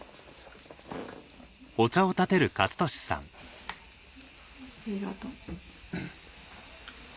ありがとう。